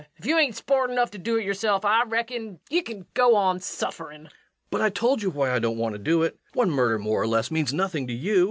If ye hain't sport enough to do it yerself, I reckon ye kin go on sufferin'. REVENUE. But I told you why I don't want to do it. One murder more or less means nothing to you.